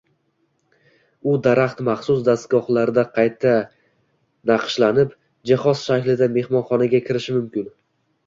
U daraxt maxsus dastgohlarda qayta nshlanib, jihoz shaklida mehmonxonaga kirishi mumkin.